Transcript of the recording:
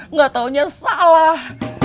enggak taunya salah